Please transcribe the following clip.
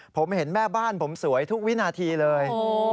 ผมเห็นแม่บ้านผมสวยทุกวินาทีเลย